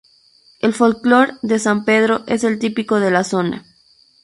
El folclore de San Pedro es el típico de la zona.